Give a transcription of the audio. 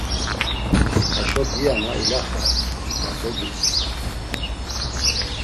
Haşo diya na ilaxare, ma dogitzva, ya.